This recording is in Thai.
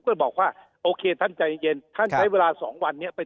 เพื่อบอกว่าโอเคท่านใจเย็นท่านใช้เวลาสองวันนี้ไป